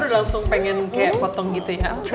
aku udah langsung pengen kayak potong gitu ya